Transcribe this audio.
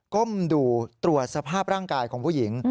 ก้มดูตรวจสภาพร่างกายของผู้หญิง